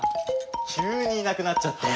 急にいなくなっちゃって。